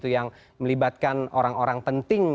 yang melibatkan orang orang penting